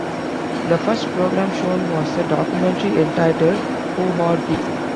The first program shown was a documentary entitled 'Who Are We?